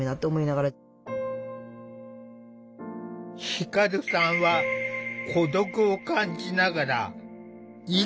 輝さんは孤独を感じながら生きてきた。